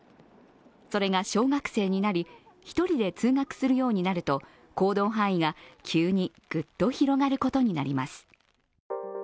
それが小学生になり、１人で通学するようになると行動範囲が急にグッと広がることになります。